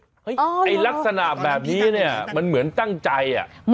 ไอ้ลักษณะแบบนี้เนี่ยมันเหมือนตั้งใจ